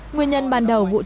nguyên nhân ban đầu vụ cháy